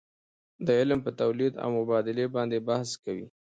دا علم په تولید او مبادلې باندې بحث کوي.